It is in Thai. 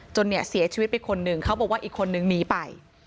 เนี่ยเสียชีวิตไปคนหนึ่งเขาบอกว่าอีกคนนึงหนีไป